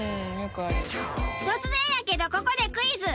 突然やけどここでクイズ！